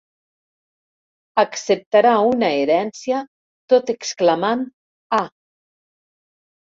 Acceptarà una herència tot exclamant: ah.